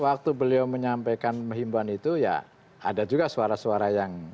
waktu beliau menyampaikan menghimbauan itu ya ada juga suara suara yang